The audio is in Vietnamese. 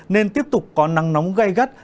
nên tiếp tục có nắng nóng gây gắt